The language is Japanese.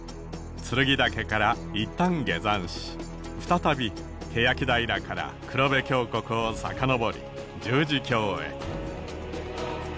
剱岳からいったん下山し再び欅平から黒部峡谷を遡り十字峡へ。